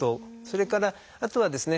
それからあとはですね